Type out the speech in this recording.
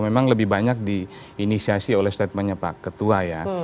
memang lebih banyak diinisiasi oleh statementnya pak ketua ya